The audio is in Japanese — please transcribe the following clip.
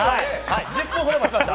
１０分ほど待ちました。